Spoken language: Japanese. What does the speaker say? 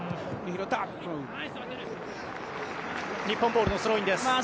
日本ボールのスローインです。